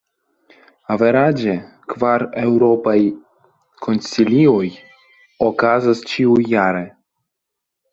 Averaĝe, kvar Eŭropaj Konsilioj okazas ĉiujare.